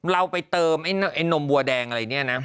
เราไปเติมไอ้นมบัวแดงอะไรเนี่ยนะ